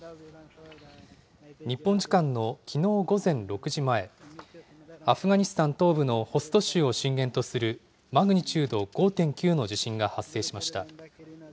日本時間のきのう午前６時前、アフガニスタン東部のホスト州を震源とするマグニチュード５．９の地震が発生しました。